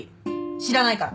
知らないから。